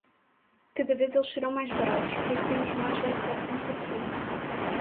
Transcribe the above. Cada vez eles serão mais baratos, pois temos mais laptops em produção.